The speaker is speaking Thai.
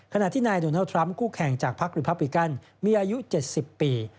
ขณะที่นายโดนัลด์ทรัมป์กู้แข่งจากพลักษณ์ริปรับบิกันมีอายุเจ็ดสิบปี